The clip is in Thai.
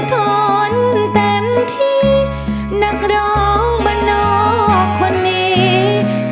ใครไม่รู้ว่าเธอที่นั้น